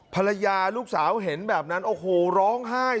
ภรรยาลูกสาวเห็นแบบนั้นโอ้โหร้องไห้